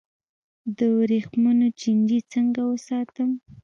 د وریښمو چینجی څنګه وساتم؟